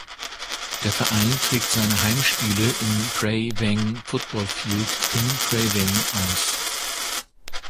Der Verein trägt seine Heimspiele im Prey Veng Football Field in Prey Veng aus.